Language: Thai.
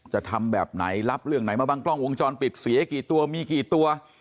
จะทำแบบไหนรับเรื่องไหนมาบ้างกล้องวงจรปิดเสียกี่ตัวมีกี่ตัว